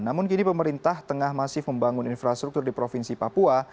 namun kini pemerintah tengah masif membangun infrastruktur di provinsi papua